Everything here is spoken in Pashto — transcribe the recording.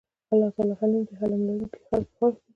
الله تعالی حليم دی حِلم لرونکي خلک ئي خوښ دي